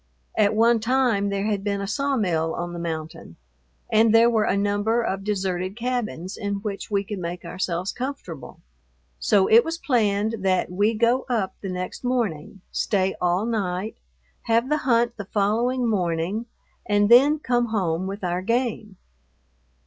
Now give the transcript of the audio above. At one time there had been a sawmill on the mountain, and there were a number of deserted cabins in which we could make ourselves comfortable. So it was planned that we go up the next morning, stay all night, have the hunt the following morning, and then come home with our game.